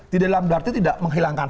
tidak dalam berarti tidak menghilangkan